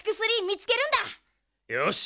よし！